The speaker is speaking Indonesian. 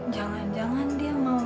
jangan jangan dia mau